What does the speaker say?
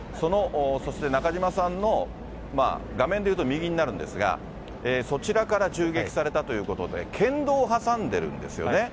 そして中島さんの画面で言うと右になるんですが、そちらから銃撃されたということで、県道を挟んでるんですよね。